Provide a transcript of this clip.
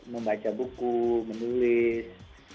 membaca buku menulis